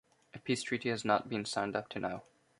A peace treaty has not been signed up to now.